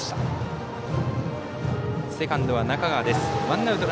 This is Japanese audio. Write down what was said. セカンド中川です。